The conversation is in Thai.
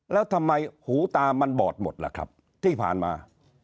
แล้วทำไมหูตามันบอดหมดล่ะครับที่ผ่านมา